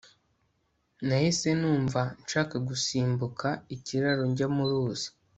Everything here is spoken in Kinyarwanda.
nahise numva nshaka gusimbuka ikiraro njya mu ruzi